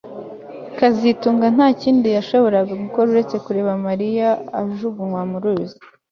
kazitunga nta kindi yashoboraga gukora uretse kureba Mariya ajugunywa mu ruzi